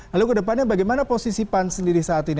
lalu ke depannya bagaimana posisi pan sendiri saat ini